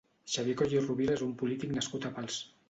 Xavier Coll i Rovira és un polític nascut a Pals.